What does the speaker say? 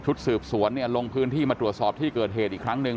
สืบสวนเนี่ยลงพื้นที่มาตรวจสอบที่เกิดเหตุอีกครั้งหนึ่ง